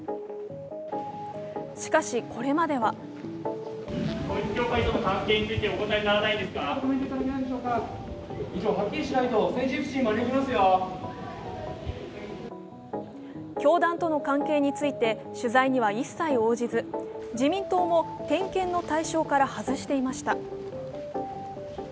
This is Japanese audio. しかし、これまでは教団との関係について、取材には一切応じず、自民党も点検の対象から外していました。